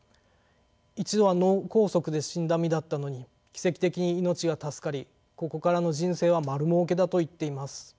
一度は脳梗塞で死んだ身だったのに奇跡的に命が助かりここからの人生は丸儲けだと言っています。